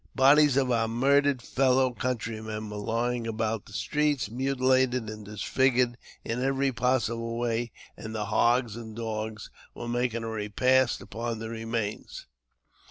Bodies of our murdered fellow countrymen were lying about the streets, mutilated and disfigured in every pos sible way, and the hogs and dogs were making a repast upon the remains.